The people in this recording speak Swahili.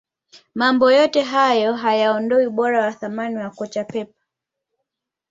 mambo yote hayo hayaondoi ubora na thamani ya kocha pep